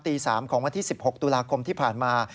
ตี๓ของวันที่๑๖ตุลาคมที่ผ่านมา